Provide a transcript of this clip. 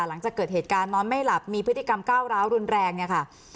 หลังจากเกิดเหตุการณ์นอนไม่หลับมีพฤติกรรมก้าวร้าวรุนแรงเนี่ยค่ะ